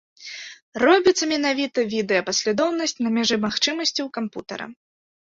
Робіцца менавіта відэапаслядоўнасць на мяжы магчымасцяў кампутара.